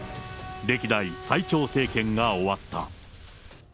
歴代最長政権が終わった。